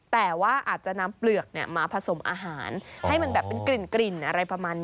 แต่ว่าอาจจะนำเปลือกมาผสมอาหารให้มันแบบเป็นกลิ่นอะไรประมาณนี้